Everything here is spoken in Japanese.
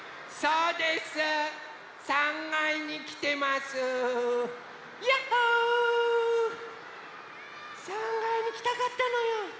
３かいにきたかったのよ。